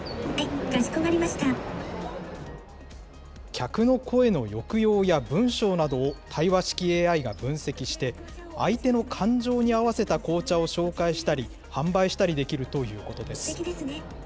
客の声の抑揚や文章などを対話式ＡＩが分析して、相手の感情に合わせた紅茶を紹介したり、販売したりできるということです。